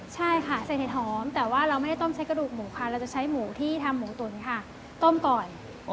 ใช่ค่ะใส่เห็ดหอมแต่ว่าเราไม่ได้ต้มใช้กระดูกหมูค่ะเราจะใช้หมูที่ทำหมูตุ๋นค่ะต้มก่อน